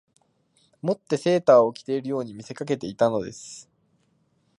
以てセーターを着ているように見せかけていたのです